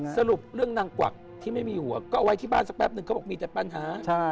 สรุปเรื่องนางกวักที่ไม่มีหัวก็เอาไว้ที่บ้านสักแป๊บนึงเขาบอกมีแต่ปัญหา